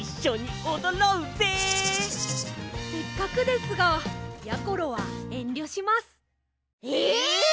せっかくですがやころはえんりょします。え！